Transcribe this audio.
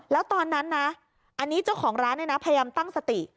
แล้วตอนนั้นนะอันนี้เจ้าของร้านเนี่ยนะพยายามตั้งสติ